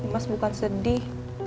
mas bukan sedih